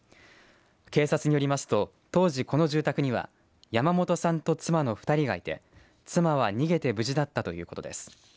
警察によりますと当時、この住宅には山本さんと妻の２人がいて妻は逃げて無事だったということです。